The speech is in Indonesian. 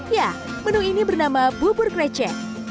ya menu ini bernama bubur krecek